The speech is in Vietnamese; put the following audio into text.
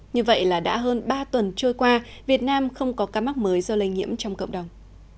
như vậy là đã hơn ba tuần trôi qua việt nam không có ca mắc mới do lây nhiễm trong cộng đồng